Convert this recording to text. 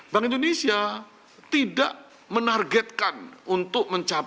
bank indonesia tidak menargetkan untuk mencapai